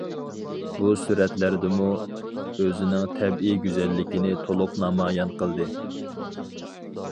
بۇ سۈرەتلەردىمۇ ئۆزىنىڭ تەبىئىي گۈزەللىكىنى تولۇق نامايان قىلدى.